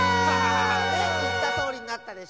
ねっいったとおりになったでしょ。